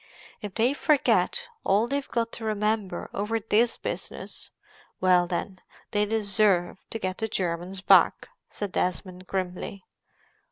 "If they forget all they've got to remember over this business—well then, they deserve to get the Germans back," said Desmond, grimly.